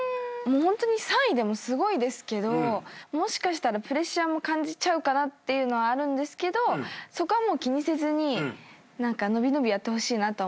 ホントに３位でもすごいですけどもしかしたらプレッシャーも感じちゃうかなっていうのはあるんですけどそこはもう気にせずに何か伸び伸びやってほしいなと思いますね。